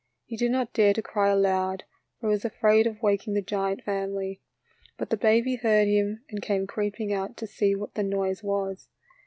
He did not dare to cry aloud, for he was afraid of wak ing the giant family. But the baby heard him and came creeping out to see what the noise was.